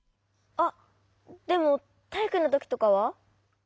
あっでもたいいくのときとかは？